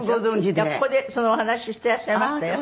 ここでそのお話してらっしゃいましたよ。